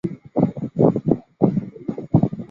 派厄尼尔镇区为位在美国堪萨斯州葛兰姆县的镇区。